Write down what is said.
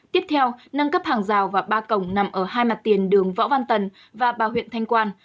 tiếp theo nâng cấp hàng rào và ba cổng nằm ở hai mặt tiền đường võ văn tần và ba huyện thanh quan